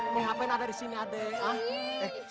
ngapain ada disini adek